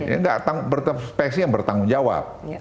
ini berbekspresi yang bertanggung jawab